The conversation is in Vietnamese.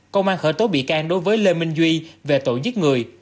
công an khởi tố bị can đối với lê minh duy về tội giết người